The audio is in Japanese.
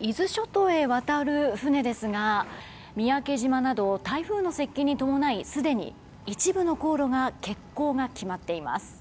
伊豆諸島へ渡る船ですが三宅島など台風の接近に伴いすでに一部の航路で欠航が決まっています。